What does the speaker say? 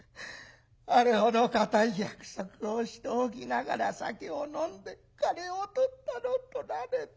あれほど固い約束をしておきながら酒を飲んで金をとったのとられたのと。